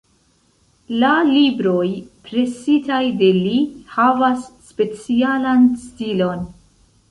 La libroj presitaj de li havas specialan stilon.